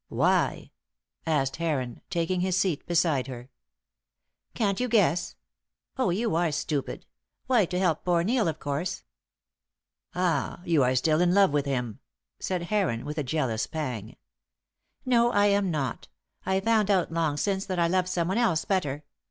"Why?" asked Heron, taking his seat beside her. "Can't you guess? Oh, you are stupid. Why, to help poor Neil, of course." "Ah! You are still in love with him!" said Heron, with a jealous pang. "No, I am not. I found out long since that I loved someone else better.